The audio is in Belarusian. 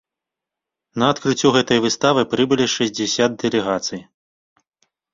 На адкрыццё гэтай выставы прыбылі шэсцьдзесят дэлегацый.